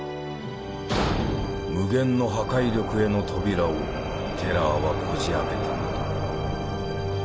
無限の破壊力への扉をテラーはこじあけたのだ。